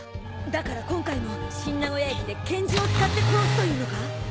だから今回も新名古屋駅で拳銃を使って殺すというのか？